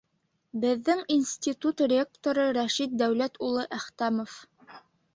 Беҙҙең институт ректоры Рәшит Дәүләт улы Әхтәмов.